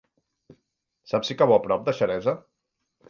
Saps si cau a prop de Xeresa?